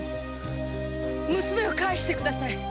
娘を返して下さい！